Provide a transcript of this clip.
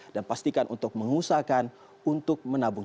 dan pastikan untuk mengusahakan untuk menabung